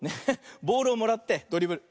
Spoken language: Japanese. ボールをもらってドリブル。